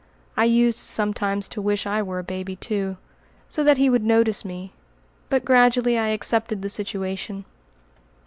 I used sometimes to wish I were a baby too, so that he would notice me, but gradually I accepted the situation.